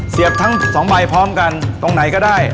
เสียบทั้ง๒ใบพร้อมกันตรงไหนก็ได้